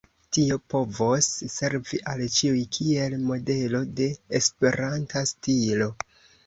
Tio povos servi al ĉiuj kiel modelo de esperanta stilo.